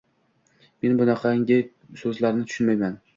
Men bunaqangi so`zlarni tushunmayman